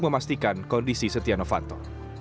memastikan kondisi setia novanto